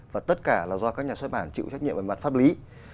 và tất cả là do các nhà xuất bản chịu trách nhiệm về mặt pháp lý